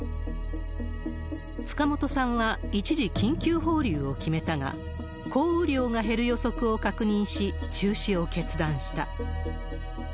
塚本さんは一時、緊急放流を決めたが、降雨量が減る予測を確認し、中止を決断した。